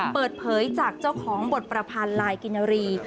เปิดเผยจากเจ้าของบทประพันธ์ลายกินรี